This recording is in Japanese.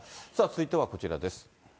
続いてはこちらです。